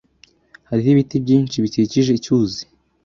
Hariho ibiti byinshi bikikije icyuzi.